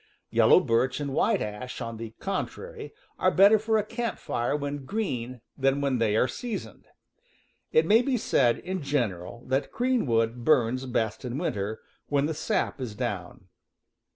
Yellow birch and white ash, on the contrary, are better for a camp fire when green than when they are seasoned. It may be said, in general, that green wood burns best in winter, when the sap is down.